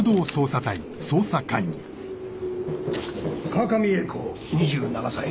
川上英子２７歳。